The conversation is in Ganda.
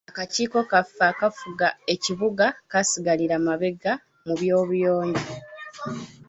Akakiiko kaffe akafuga ekibuga kasigalira mabega mu by'obuyonjo.